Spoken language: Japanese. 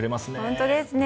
本当ですね。